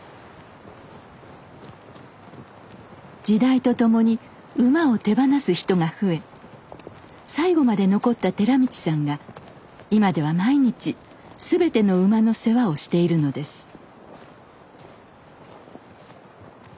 時代とともに馬を手放す人が増え最後まで残った寺道さんが今では毎日全ての馬の世話をしているのです。